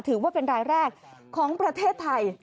ถือว่าเป็นรายแรกของประเทศไทย